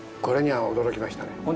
これには驚きましたね。